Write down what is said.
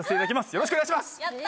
よろしくお願いします。